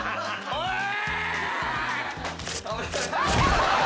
おい！